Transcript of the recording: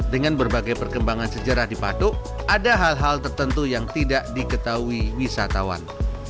dengan berbagai perkembangan sejarah di patuk ada hal hal tertentu yang tidak diketahui wisatawan